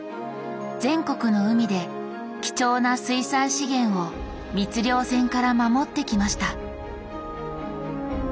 全国の海で貴重な水産資源を密漁船から守ってきました。